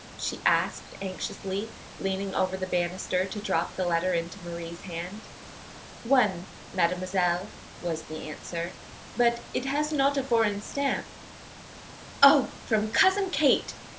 she asked, anxiously, leaning over the banister to drop the letter into Marie's hand. "One, mademoiselle," was the answer. "But it has not a foreign stamp." "Oh, from Cousin Kate!"